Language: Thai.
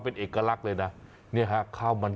เป็นอะไรนาย